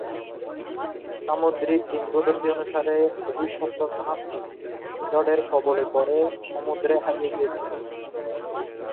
সামুদ্রিক কিংবদন্তি অনুসারে, অভিশপ্ত জাহাজটি ঝড়ের কবলে পরে সমুদ্রে হারিয়ে গিয়েছিল।